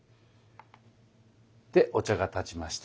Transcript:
でお茶が点ちました。